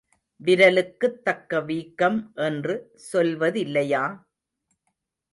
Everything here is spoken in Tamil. விரலுக்குத் தக்க வீக்கம் என்று சொல்வதில்லையா.